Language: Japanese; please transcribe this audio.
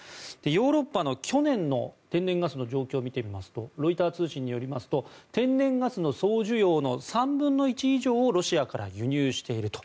ヨーロッパの去年の天然ガスの状況を見てみますとロイター通信によりますと天然ガスの総需要の３分の１以上をロシアから輸入していると。